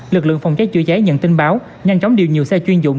lực lượng phòng cháy chữa cháy nhận tin báo nhanh chóng điều nhiều xe chuyên dụng